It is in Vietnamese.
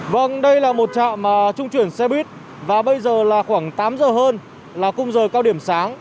vâng đây là một trạm trung chuyển xe buýt và bây giờ là khoảng tám giờ hơn là khung giờ cao điểm sáng